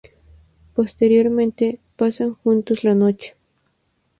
Posteriormente, pasan juntos la noche.